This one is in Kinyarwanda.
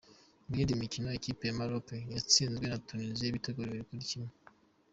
Mu yindi mikino, ikipe ya Moroc yatsinzwe na Tuniziya ibitego bibiri kuri kimwe.